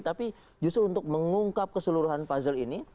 tapi justru untuk mengungkap keseluruhan puzzle ini